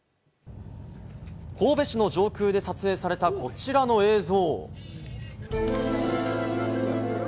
神戸市の上空で撮影されたこちらの映像。